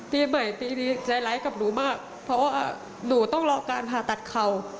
ปีใหม่ปีนี้ใจร้ายกับหนูมากเพราะว่าหนูต้องรอการผ่าตัดเข่า